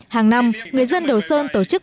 hàng năm người dân đồ sơn tổ chức